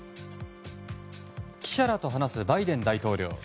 記者らと話すバイデン大統領。